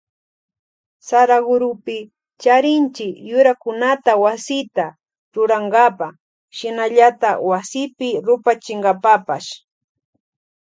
Saraguropi charinchi yurakunata wasita rurankapa shinallata wasipi rupachinkapapash.